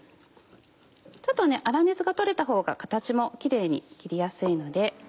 ちょっと粗熱が取れたほうが形もキレイに切りやすいので。